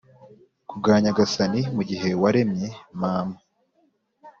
kubwa nyagasani. mugihe waremye mama,